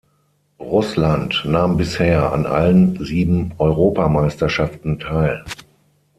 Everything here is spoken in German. Russland nahm bisher an allen sieben Europameisterschaften teil.